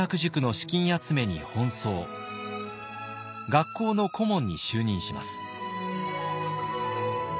学校の顧問に就任します。